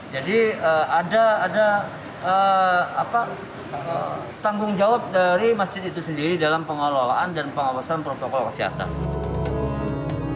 jadi ada tanggung jawab dari masjid itu sendiri dalam pengelolaan dan pengawasan protokol kesehatan